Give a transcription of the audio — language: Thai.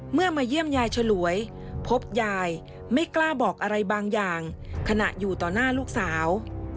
มาเยี่ยมยายฉลวยพบยายไม่กล้าบอกอะไรบางอย่างขณะอยู่ต่อหน้าลูกสาว